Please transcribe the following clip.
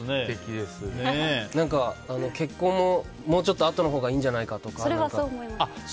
結婚ももうちょっとあとのほうがいいんじゃないか、とか。